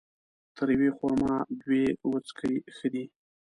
تر يوې خرما ، دوې وڅکي ښه دي